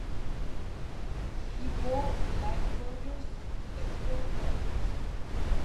She bore Lycurgus to the hero Heracles.